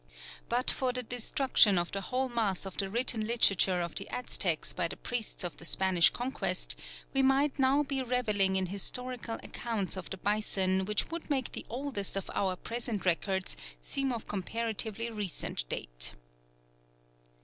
But for the destruction of the whole mass of the written literature of the Aztecs by the priests of the Spanish Conquest, we might now be reveling in historical accounts of the bison which would make the oldest of our present records seem of comparatively recent date.